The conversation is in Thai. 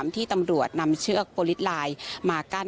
ที่ตำรวจนำเชือกโปรลิสไลน์มากั้น